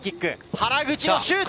原口のシュート！